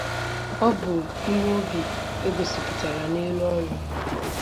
Ọ bụ ime obi e gosipụtara n'elu ọnụ